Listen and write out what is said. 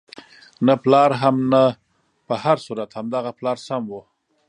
نه پلار هم نه، په هر صورت همدغه پلار سم وو.